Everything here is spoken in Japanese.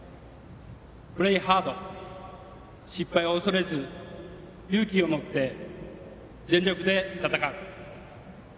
プレーハード、失敗を恐れず勇気を持って全力で戦う。